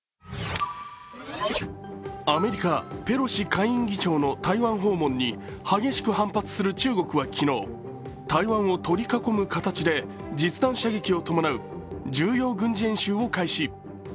アメリカ・ペロシ下院議長の台湾訪問に激しく反発する中国は昨日、台湾を取り囲む形で実弾射撃を伴う重要軍事演習を開始。